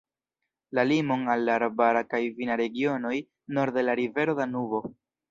La limon al la arbara kaj vina regionoj norde la rivero Danubo.